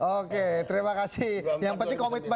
oke terima kasih